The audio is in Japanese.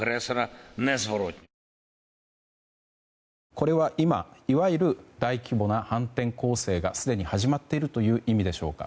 これは今、いわゆる大規模な反転攻勢がすでに始まっているという意味でしょうか。